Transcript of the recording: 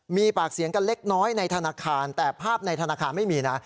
มีปากเสียงกันเล็กน้อยในธนาคารแต่ภาพในธนาคารไม่มีนะ